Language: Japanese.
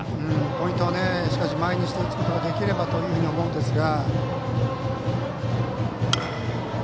ポイントは１つ前に打つことができればと思うんですが。